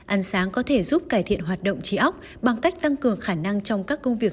ăn sáng có thể giúp cải thiện hoạt động trí ốc bằng cách tăng cường khả năng trong các công việc